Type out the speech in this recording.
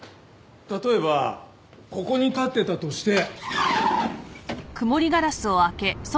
例えばここに立ってたとして。